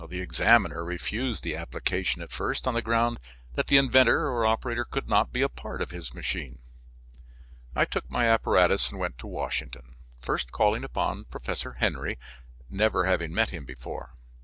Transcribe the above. The examiner refused the application at first on the ground that the inventor or operator could not be a part of his machine. I took my apparatus and went to Washington, first calling upon Professor Henry, never having met him before.